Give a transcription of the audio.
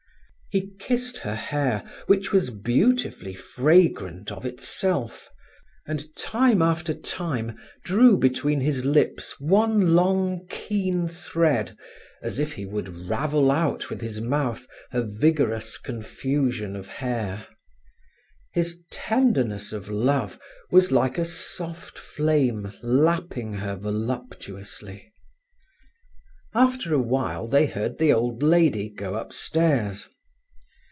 He kissed her hair, which was beautifully fragrant of itself, and time after time drew between his lips one long, keen thread, as if he would ravel out with his mouth her vigorous confusion of hair. His tenderness of love was like a soft flame lapping her voluptuously. After a while they heard the old lady go upstairs.